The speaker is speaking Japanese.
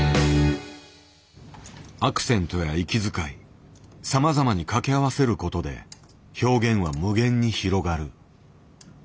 アクセントや息遣いさまざまに掛け合わせることで表現は無限に広がる。